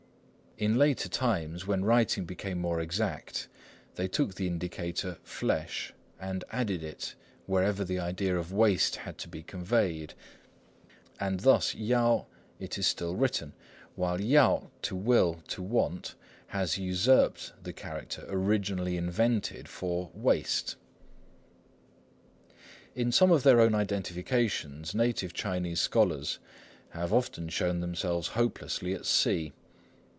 In later times, when writing became more exact, they took the indicator 月 "flesh," and added it wherever the idea of waist had to be conveyed. And thus 腰 it is still written, while yao, "to will, to want," has usurped the character originally invented for "waist." In some of their own identifications native Chinese scholars have often shown themselves hopelessly at sea.